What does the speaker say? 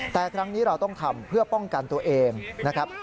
แต่ครั้งนี้เราต้องทำเพื่อป้องกันตัวเองนะครับ